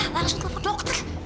ya langsung telepon dokter